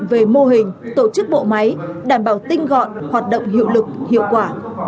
về mô hình tổ chức bộ máy đảm bảo tinh gọn hoạt động hiệu lực hiệu quả